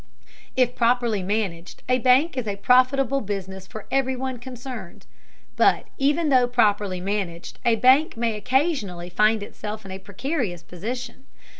If properly managed a bank is a profitable business for everyone concerned. But even though properly managed, a bank may occasionally find itself in a precarious position.